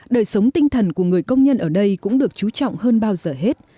đời sống tinh thần của người công nhân ở đây cũng được chú trọng hơn bao giờ hết